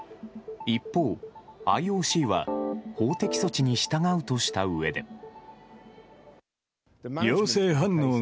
一方、ＩＯＣは法的措置に従うとしたうえで。